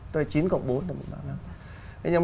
tức là chín cộng bốn